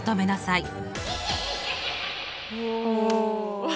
おお。